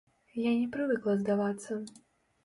Я не прывыкла здавацца.